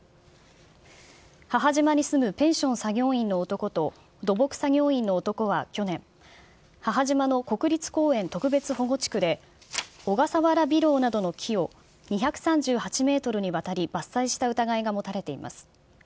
母島に住むペンション作業員の男と、土木作業員の男は去年、母島の国立公園特別保護地区で、オガサワラビロウなどの木を、２３８メートルにわたり伐採した疑いが持たれています。